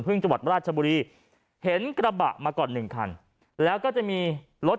จังหวัดราชบุรีเห็นกระบะมาก่อนหนึ่งคันแล้วก็จะมีรถ